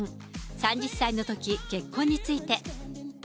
３０歳のとき、結婚について。